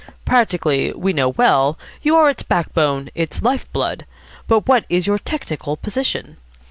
Practically, we know well, you are its back bone, its life blood; but what is your technical position?